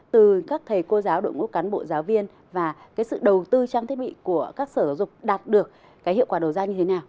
từ các thầy cô giáo đội ngũ cán bộ giáo viên và cái sự đầu tư trang thiết bị của các sở giáo dục đạt được cái hiệu quả đầu ra như thế nào